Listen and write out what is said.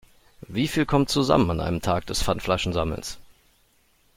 Wie viel kommt zusammen an einem Tag des Pfandflaschensammelns?